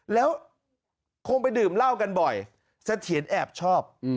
แล้วคงไปดื่มเหล้ากันบ่อยเสถียรแอบชอบ